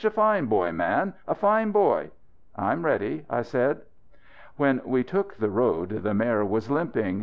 "A fine boy, man! A fine boy!" "I'm ready," I said. When we took the road the mare was limping.